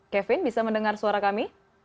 kevin bisa mendengar suara kami